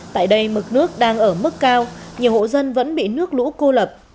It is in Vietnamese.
tại đây mực nước đang ở mức cao nhiều hộ dân vẫn bị nước lũ cô lập